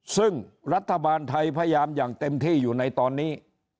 ซึ่งรัฐบาลไทยพยายามอย่างเต็มที่อยู่ในตอนนี้